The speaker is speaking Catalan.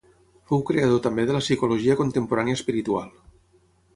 Fou creador també de la psicologia contemporània espiritual.